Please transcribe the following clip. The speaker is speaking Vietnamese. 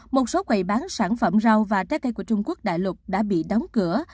một số quầy bán sản phẩm rau và trái cây của trung quốc đại lục đã bị đóng cửa